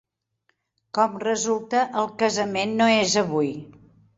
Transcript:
Com resulta, el casament no és avui.